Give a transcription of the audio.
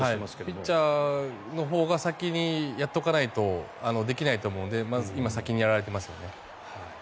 ピッチャーのほうが先にやっておかないとできないと思うので今、先にやられていますよね。